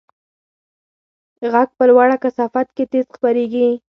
غږ په لوړه کثافت کې تېز خپرېږي.